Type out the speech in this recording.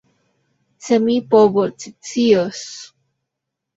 Se mi povoscius!